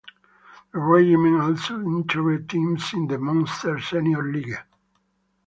The regiment also entered teams in the Munster Senior League.